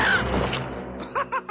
ウハハハ！